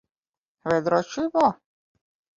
Vai drošībā?